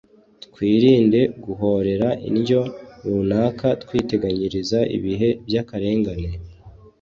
twirinde guhorera indyo runaka twiteganyiriza ibihe by'akarengane